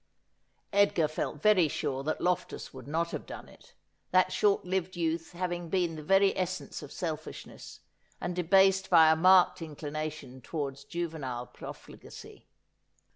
Edgar felt very sure that Loftus would not have done it ; that short lived youth having been the very essence of selfish ness, and debased by a marked inclination towards juvenile pro fligacy.